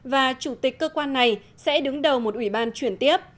và chủ tịch cơ quan này sẽ đứng đầu một ủy ban chuyển tiếp